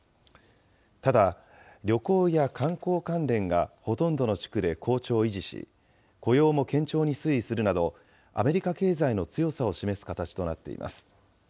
ただ、旅行や観光関連がほとんどの地区で好調を維持し、雇用も堅調に推移するなど、アメリカ経済の強さを示す形となっています。